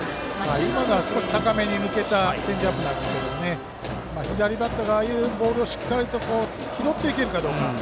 今のは少し高めに抜けたチェンジアップなんですが左バッターがああいうボールをしっかりと拾っていけるかどうか。